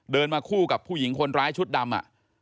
มาคู่กับผู้หญิงคนร้ายชุดดำ